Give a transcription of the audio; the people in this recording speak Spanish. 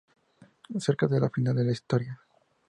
Cerca del final de la historia, St.